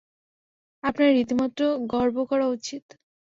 আপনার রীতিমত গর্ব করা উচিৎ।